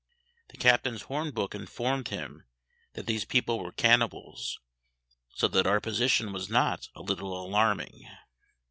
The captain's horn book informed him that these people were cannibals, so that our position was not a little alarming.